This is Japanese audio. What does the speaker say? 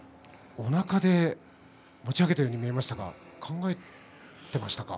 おなかで持ち上げたように見えましたが考えていましたか。